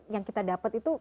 yang kita dapat itu